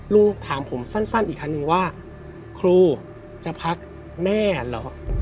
ลูกถามผมสั้นอีกครั้งหนึ่งว่าครูจะพักแม่เหรอ